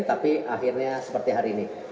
tapi akhirnya seperti hari ini